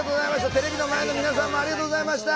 テレビの前の皆さんもありがとうございました。